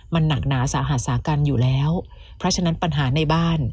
มันหนักหนาสาหัสสากันอยู่แล้วเพราะฉะนั้นปัญหาในบ้าน